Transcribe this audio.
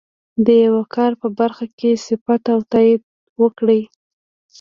د یوه کار په برخه کې صفت او تایید وکړي.